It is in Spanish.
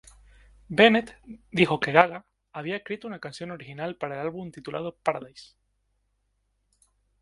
Bennett dijo que Gaga había escrito una canción original para el álbum titulado "Paradise".